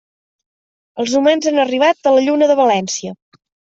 Els humans han arribat a la Lluna de València.